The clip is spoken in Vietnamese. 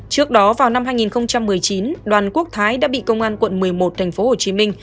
trước đó vào năm hai nghìn một mươi chín đoàn quốc thái đã bị công an quận một mươi một tp hcm